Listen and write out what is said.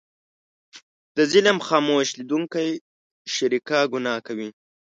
د ظلم خاموش لیدونکی شریکه ګناه کوي.